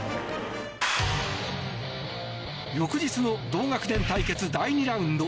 翌日の同学年対決第２ラウンド。